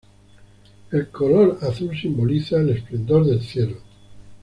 El color azul simboliza el esplendor del cielo.